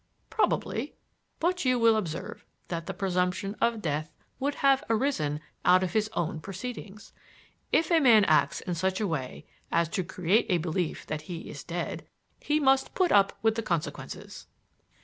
"Probably. But you will observe that the presumption of death would have arisen out of his own proceedings. If a man acts in such a way as to create a belief that he is dead, he must put up with the consequences."